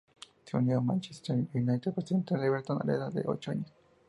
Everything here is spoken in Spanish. Se unió al Manchester United procedente del Everton a la edad de ocho años.